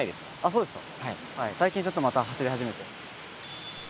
そうですか？